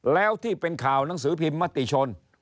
แล้วที่เป็นข่าวหนังสือพิมพ์มติชน